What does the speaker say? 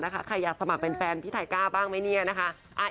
ใครอยากสมัครเป็นแฟนพี่ไทก้าบ้างไหมเนี่ยนะคะ